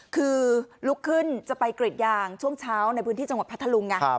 คือลุกขึ้นจะไปกรีดยางช่วงเช้าในพื้นที่จังหวัดพัทธลุงไง